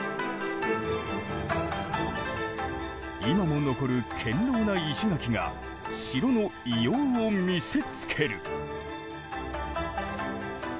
今も残る堅牢な石垣が城の威容を見せつける。